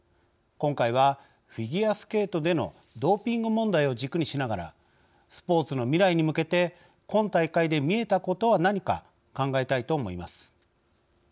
今回は、フィギュアスケートでのドーピング問題を軸にしながらスポーツの未来に向けて今大会で見えたことは何か考えたいと思います。